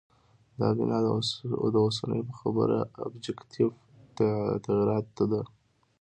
دا بنا د اوسنو په خبره آبجکټیف تغییراتو ده.